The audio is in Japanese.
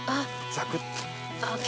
ザクっと。